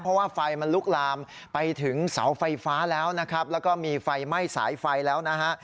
เพราะว่าไฟมันลุกลามไปถึงเสาไฟฟ้าแล้วนะครับแล้วก็มีไฟไหม้สายไฟแล้วนะฮะ